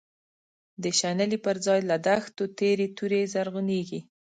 د شنلی بر ځای له دښتو، تیری توری زرعونیږی